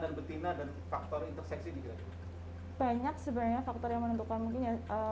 dan betina dan faktor interseksi banyak sebenarnya faktor yang menentukan mungkin